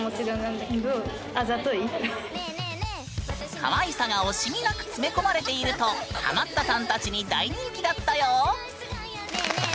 かわいさが惜しみなく詰め込まれているとハマったさんたちに大人気だったよ！